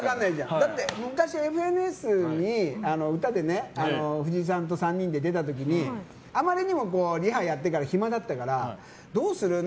だって、昔ＦＮＳに歌で藤井さんと３人で出た時にあまりにもリハやってから暇だったからどうする？